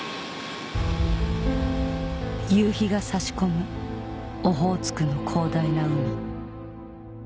夕日が差し込むオホーツクの広大な海